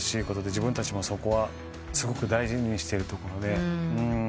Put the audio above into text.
自分たちもそこはすごく大事にしてるところで。